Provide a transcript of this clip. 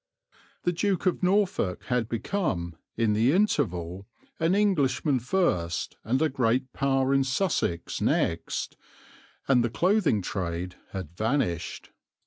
The Duke of Norfolk had become, in the interval, an Englishman first and a great power in Sussex next, and the clothing trade had vanished.